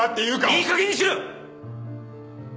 いいかげんにしろ！